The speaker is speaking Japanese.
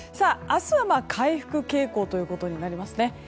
明日は、回復傾向ということになります。